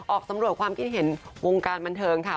ออกสำรวจความคิดเห็นวงการบันเทิงค่ะ